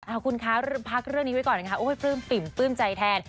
เอาคุณคะพักเรื่องนี้ไว้ก่อนนะคะโอ้ยปลื้มปิ่มปลื้มใจแทน